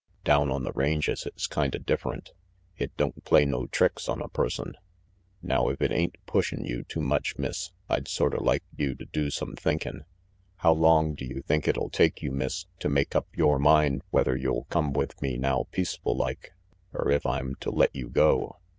Down on the ranges it's kinda different. It don't play no tricks on a person. Now if it ain't RANGY PETE 301 pushfn' you too much, Miss, I'd sorta like you to do some thinkin'. How long do you think it'll take you, Miss, to make up yore mind whether you'll come with me now peaceful like, er if I'm to let you go?"